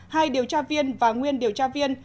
hai điều tra viên và nguyên điều tra viên